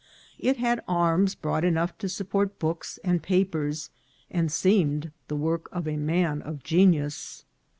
It had arms broad enough to support books and papers, and seem ed the work of a man of genius.